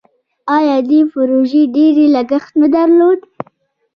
آیا دې پروژې ډیر لګښت نه درلود؟